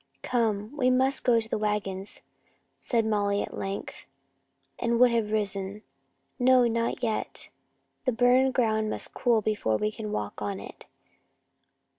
"Come, we must go to the wagons," said Molly at length, and would have risen. "No, not yet. The burned ground must cool before we can walk on it.